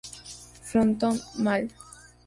Frontón mal